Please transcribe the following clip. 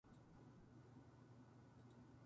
昼夜の区別なく急行すること。仕事を急いで行うこと。